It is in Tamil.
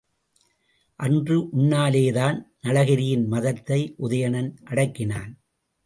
அன்று உன்னாலேதான் நளகிரியின் மதத்தை உதயணன் அடக்கினான்.